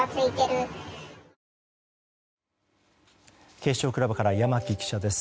警視庁クラブから山木記者です。